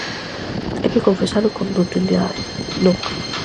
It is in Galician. Hai que confesalo con rotundidade: non.